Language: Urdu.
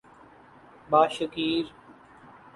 باشکیر